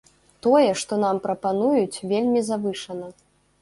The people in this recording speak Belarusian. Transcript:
Тое, што нам прапануюць, вельмі завышана.